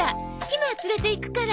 ひまは連れていくから。